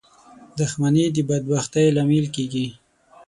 • دښمني د بدبختۍ لامل کېږي.